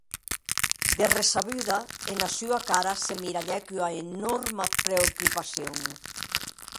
De ressabuda, ena sua cara se miralhèc ua enòrma preocupacion.